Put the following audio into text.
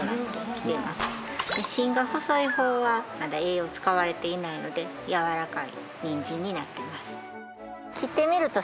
芯が細い方はまだ栄養使われていないのでやわらかいにんじんになっています。